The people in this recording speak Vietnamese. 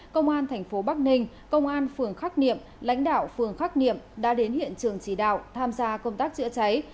công an thành phố bắc ninh công an phường khắc niệm lãnh đạo phường khắc niệm đã đến hiện trường chỉ đạo tham gia công tác chữa cháy